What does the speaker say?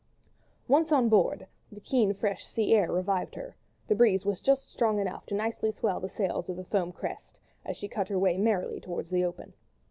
Once on board, the keen, fresh sea air revived her, the breeze was just strong enough to nicely swell the sails of the Foam Crest, as she cut her way merrily towards the open.